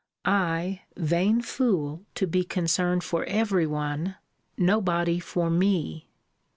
I, vain fool, to be concerned for every one; nobody for me!